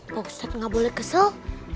pak ustadz gak boleh kesel